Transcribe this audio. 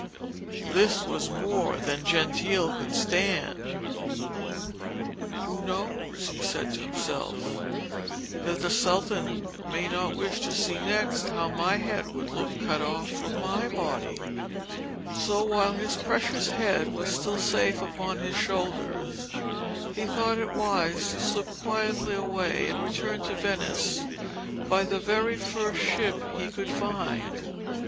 This was more than Gentile could stand. 'Who knows,' he said to himself, 'that the Sultan may not wish to see next how my head would look cut off from my body!' So while his precious head was still safe upon his shoulders he thought it wiser to slip quietly away and return to Venice by the very first ship he could find.